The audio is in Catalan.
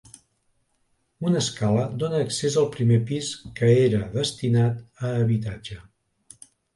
Una escala dóna accés al primer pis que era destinat a habitatge.